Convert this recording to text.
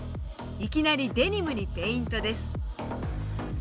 いきなりデニムにペイントです。